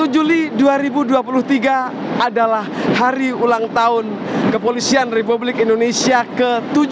dua puluh juli dua ribu dua puluh tiga adalah hari ulang tahun kepolisian republik indonesia ke tujuh puluh dua